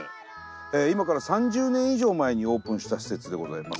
今から３０年以上前にオープンした施設でございます。